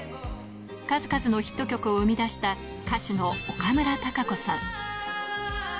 数々のヒット曲を生み出した歌手の岡村孝子さん。